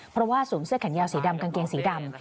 เพราะว่าสวมเสื้อแขนยาวสีดำกางเกงสีดำ